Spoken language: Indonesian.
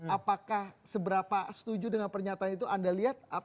apakah seberapa setuju dengan pernyataan itu anda lihat